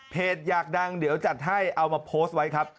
อยากดังเดี๋ยวจัดให้เอามาโพสต์ไว้ครับ